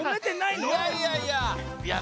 いやいやいや。